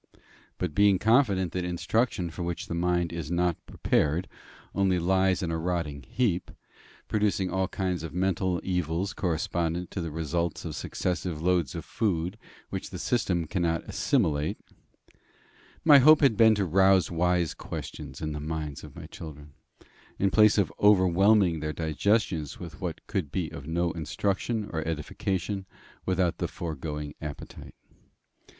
but being confident that instruction for which the mind is not prepared only lies in a rotting heap, producing all kinds of mental evils correspondent to the results of successive loads of food which the system cannot assimilate, my hope had been to rouse wise questions in the minds of my children, in place of overwhelming their digestions with what could be of no instruction or edification without the foregoing appetite.